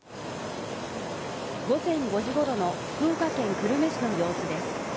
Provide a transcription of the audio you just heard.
午前５時ごろの福岡県久留米市の様子です。